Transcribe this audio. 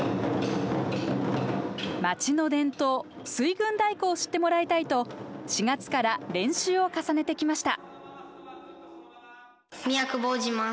町の伝統水軍太鼓を知ってもらいたいと４月から練習を重ねてきました。